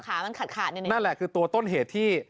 ขามันขาดนั่นแหละคือต้นเหตุที่